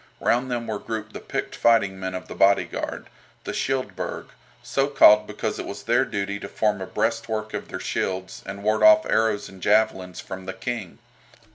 Round them were grouped the picked fighting men of the bodyguard, the "Shield burg," so called because it was their duty to form a breastwork of their shields and ward off arrows and javelins from the King.